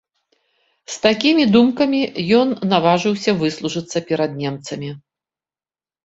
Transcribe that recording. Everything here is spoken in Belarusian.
З такімі думкамі ён наважыўся выслужыцца перад немцамі.